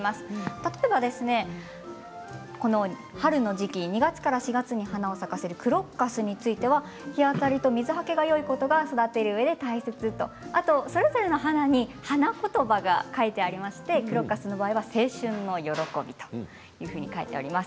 例えば春の時期２月から４月に花を咲かせるクロッカスについては日当たりと水はけがいいことが育てるうえで大切、あとそれぞれの花に花言葉が書いてありましてクロッカスの場合は青春の喜びというふうに書いてあります。